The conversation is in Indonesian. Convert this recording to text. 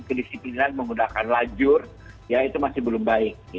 kedisiplinan menggunakan lajur ya itu masih belum baik